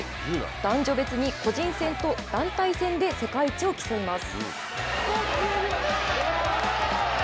男女別に個人戦と団体戦で世界一を競います。